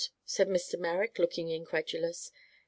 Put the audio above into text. said Mr. Merrick, looking incredulous.